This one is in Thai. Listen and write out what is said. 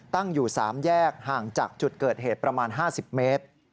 ตั้งอยู่๓แยกห่างจากจุดเกิดเหตุประมาณ๕๐เมตร